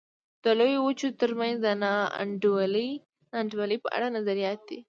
د لویو وچو ترمنځ د نا انډولۍ په اړه نظریات دي.